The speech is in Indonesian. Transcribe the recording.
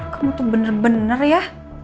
kamu tuh bener bener ya